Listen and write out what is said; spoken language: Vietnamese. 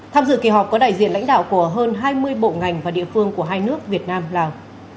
tham dự kỳ họp có đại diện lãnh đạo của hơn hai mươi bộ ngành và địa phương của hai nước việt nam lào